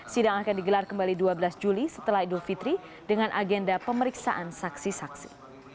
sidang akan digelar kembali dua belas juli setelah idul fitri dengan agenda pemeriksaan saksi saksi